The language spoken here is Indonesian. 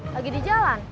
lagi di jalan